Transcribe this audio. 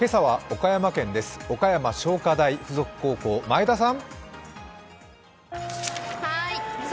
岡山商科大附属高校、前田さん。